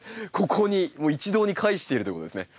ここにもう一堂に会しているということですね。